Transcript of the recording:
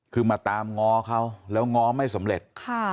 คือมาตามง้อเขาแล้วง้อไม่สำเร็จ